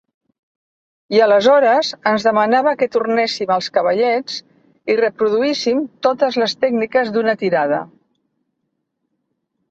I aleshores ens demanava que tornéssim als cavallets i reproduíssim totes les tècniques d'una tirada.